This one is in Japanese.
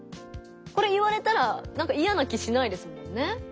これ言われたらなんかいやな気しないですもんね。